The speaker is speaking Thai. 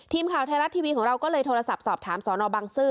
ทีมข่าวไทยรัฐทีวีของเราก็เลยโทรศัพท์สอบถามสนบังซื้อ